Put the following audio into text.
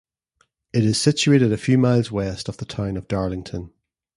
It is situated a few miles west of the town of Darlington.